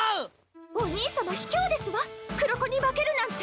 お兄さまひきょうですわ黒子に化けるなんて。